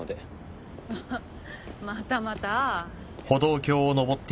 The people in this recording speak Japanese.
またまた。